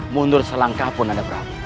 mundur selangkah pun